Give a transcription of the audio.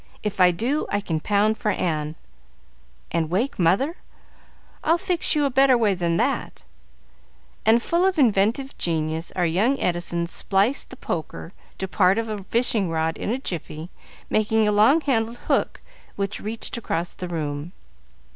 If I do, I can pound for Ann." "And wake mother. I'll fix you a better way than that;" and, full of inventive genius, our young Edison spliced the poker to part of a fishing rod in a jiffy, making a long handled hook which reached across the room.